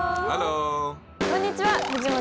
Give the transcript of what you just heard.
こんにちは藤本